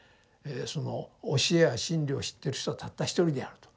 その教えや真理を知ってる人はたった一人であると。